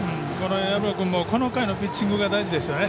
薮野君もこの回のピッチング大事ですよね。